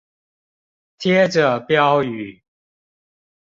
貼著標語